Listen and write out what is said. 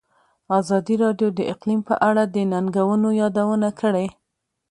ازادي راډیو د اقلیم په اړه د ننګونو یادونه کړې.